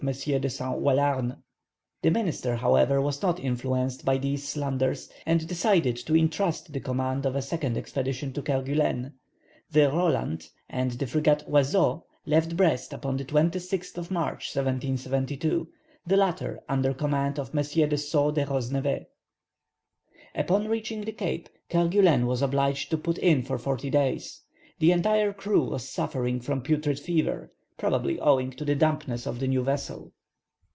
de Saint Allouarn. The minister, however, was not influenced by these slanders, and decided to entrust the command of a second expedition to Kerguelen. The Roland, and the frigate Oiseau, left Brest upon the 26th of March, 1772, the latter under command of M. de Saux de Rosnevet. Upon reaching the Cape, Kerguelen was obliged to put in for forty days. The entire crew was suffering from putrid fever, probably owing to the dampness of the new vessel.